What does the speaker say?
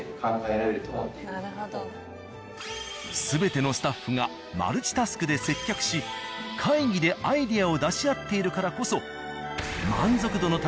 全てのスタッフがマルチタスクで接客し会議でアイデアを出し合っているからこそ。